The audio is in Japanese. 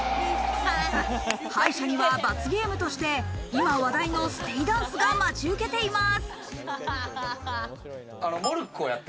敗者には罰ゲームとして今、話題のステイダンスが待ち受けています。